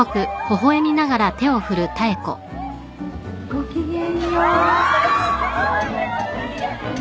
ごきげんよう。